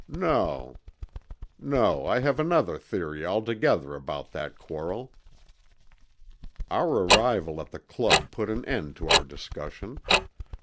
No, no, I have another theory altogether about that quarrel." Our arrival at the Club put an end to our discussion.